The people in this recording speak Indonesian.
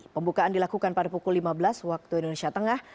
pembukaan dilakukan pada pukul lima belas waktu indonesia tengah